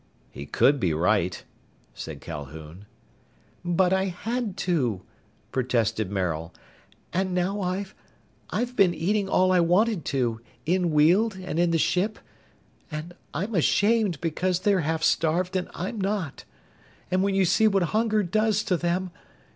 "He could be right," said Calhoun. "But I had to!" protested Maril. "And now I I've been eating all I wanted to, in Weald and in the ship, and I'm ashamed because they're half starved and I'm not. And when you see what hunger does to them....